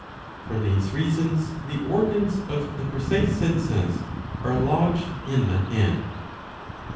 For these reasons the organs of the precise senses are lodged in the head.